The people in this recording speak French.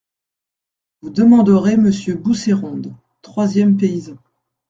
Vous demanderez Monsieur Bousséronde … troisième paysan .